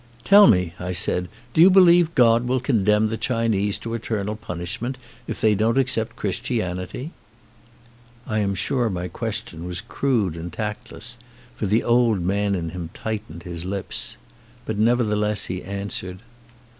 "Tell me," I said, "do you believe God will con demn the Chinese to eternal punishment if they don't accept Christianity?" I am sure my question was crude and tactless, for the old man in him tightened his lips. But nevertheless he answered.